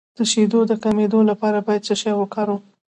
د شیدو د کمیدو لپاره باید څه شی وکاروم؟